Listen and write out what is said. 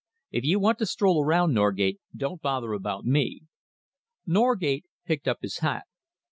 If you want to stroll around, Norgate, don't bother about me." Norgate picked up his hat.